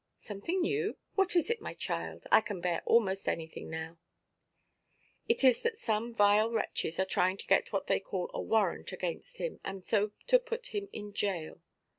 "Something new? What is it, my child? I can bear almost anything now." "It is that some vile wretches are trying to get what they call a warrant against him, and so to put him in jail."